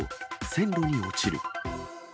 線路に落ちる。